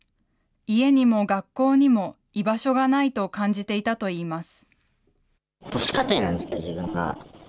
家にも学校にも居場所がないと感じていたといいます。